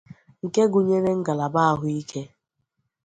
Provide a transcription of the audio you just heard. nke gụnyere ngalaba ahụike